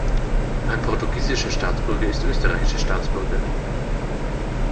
Ein portugiesischer Staatsbürger ist österreichischer Staatsbürger.